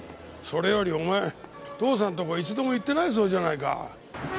それよりお前父さんのとこ一度も行ってないそうじゃないか。